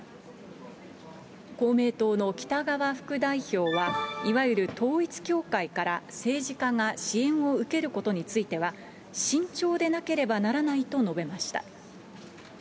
公明党の北側副代表は、いわゆる統一教会から政治家が支援を受けることについては、慎重でなければならないと述べました。